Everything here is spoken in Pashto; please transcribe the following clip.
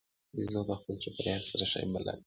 بیزو د خپل چاپېریال سره ښه بلد وي.